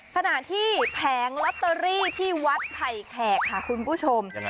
ขณะที่แผงลอตเตอรี่ที่วัดไผ่แขกค่ะคุณผู้ชม